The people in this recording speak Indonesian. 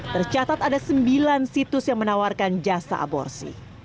tercatat ada sembilan situs yang menawarkan jasa aborsi